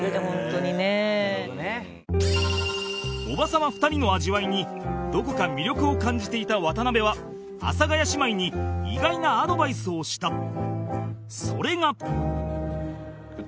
おばさま２人の味わいにどこか魅力を感じていた渡辺は阿佐ヶ谷姉妹に意外なアドバイスをした